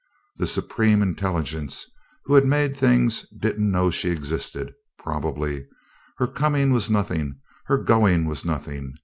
The Supreme Intelligence who had made things didn't know she existed, probably. Her coming was nothing; her going was nothing.